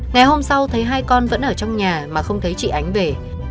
ngày hôm sau thấy hai con vẫn ở trong nhà mà không thấy chị ánh về